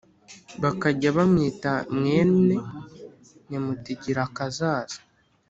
bakajya bamwita mwene Nyamutegerakazaza"